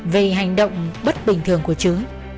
về hành động bất bình thường của chứ